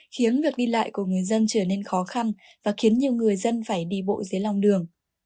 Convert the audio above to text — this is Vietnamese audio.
khiến việc đi lại của người dân trở nên khó khăn và khiến nhiều người dân phải đi bộ dưới lòng đường